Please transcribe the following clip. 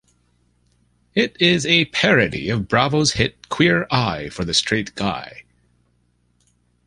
It is a parody of Bravo's hit "Queer Eye for the Straight Guy".